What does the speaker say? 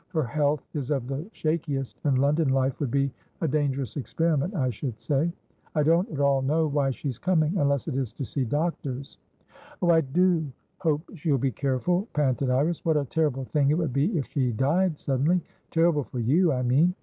Her health is of the shakiest, and London life would be a dangerous experiment, I should say. I don't at all know why she's coming, unless it is to see doctors." "Oh, I do hope she'll be careful," panted Iris. "What a terrible thing it would be if she died suddenlyterrible for you, I mean.